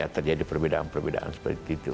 terjadi perbedaan perbedaan seperti itu